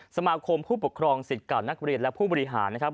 สมาคมผู้ปกครองสิทธิ์เก่านักเรียนและผู้บริหารนะครับ